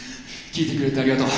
聴いてくれてありがとう。